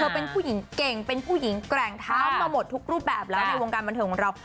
เป็นผู้หญิงเก่งเป็นผู้หญิงแกร่งเท้ามาหมดทุกรูปแบบแล้วในวงการบันเทิงของเรา